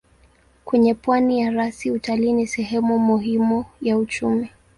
Kwenye pwani ya rasi utalii ni sehemu muhimu ya uchumi.